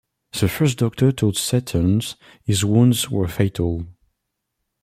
The first doctor told Cethern his wounds were fatal.